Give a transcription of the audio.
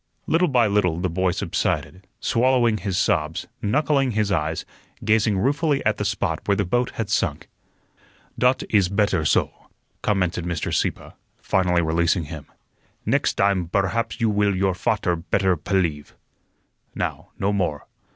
Little by little the boy subsided, swallowing his sobs, knuckling his eyes, gazing ruefully at the spot where the boat had sunk. "Dot is better soh," commented Mr. Sieppe, finally releasing him. "Next dime berhaps you will your fat'er better pelief. Now, no more.